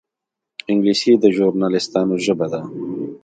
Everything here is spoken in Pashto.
انګلیسي د ژورنالېستانو ژبه ده